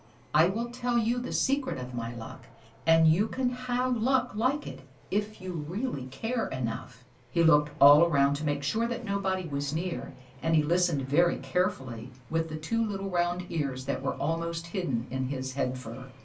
I will tell you the secret of my luck, and you can have luck like it, if you really care enough." He looked all around to make sure that nobody was near, and he listened very carefully with the two little round ears that were almost hidden in his head fur.